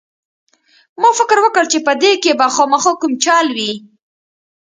ما فکر وکړ چې په دې کښې به خامخا کوم چل وي.